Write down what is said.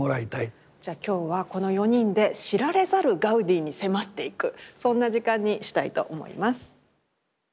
じゃあ今日はこの４人で知られざるガウディに迫っていくそんな時間にしたいと思います。